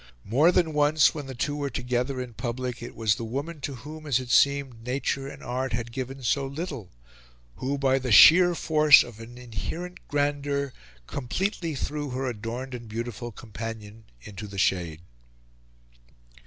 More than once, when the two were together in public, it was the woman to whom, as it seemed, nature and art had given so little, who, by the sheer force of an inherent grandeur, completely threw her adorned and beautiful companion into the shade.